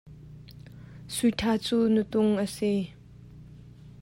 SuiṬha cu nutung a si.